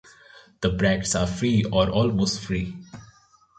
The bracts are free or almost free.